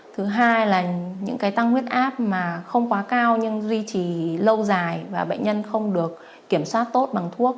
thứ hai là những cái tăng huyết áp mà không quá cao nhưng duy trì lâu dài và bệnh nhân không được kiểm soát tốt bằng thuốc